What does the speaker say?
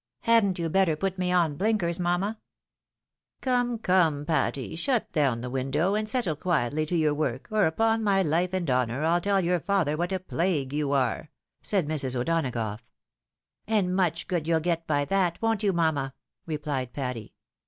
" Hadn't you better put me on blinkers, mamma ?"" Come, come, Patty, shut down the window, and settle quietly to your work, or upon my Kfe and honour I'll tell your father what a plague you are," said Mrs. O'Donagough. And much good you'll get by that, won't you, mamma? " re plied Patty.